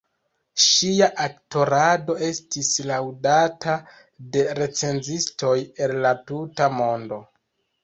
Ŝia aktorado estis laŭdata de recenzistoj el la tuta mondo.